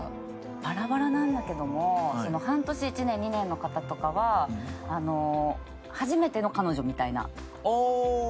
バラバラなんだけども半年１年２年の方とかは初めての彼女みたいな感じが多かった。